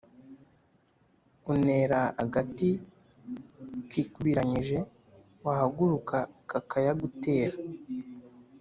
Unera agati kikubiranyije wahaguruka kakayagutera.